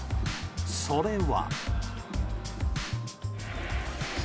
それは。